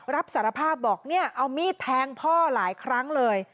รับสารภาพบอกเนี่ยเอามีดแทงพ่อหลายครั้งเลย